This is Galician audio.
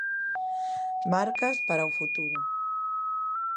Marcas para o futuro.